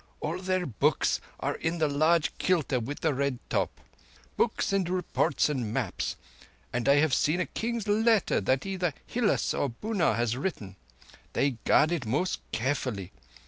"All their books are in the large kilta with the reddish top—books and reports and maps—and I have seen a King's letter that either Hilás or Bunár has written. They guard it most carefully.